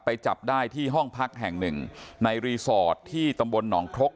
จับได้ที่ห้องพักแห่งหนึ่งในรีสอร์ทที่ตำบลหนองครก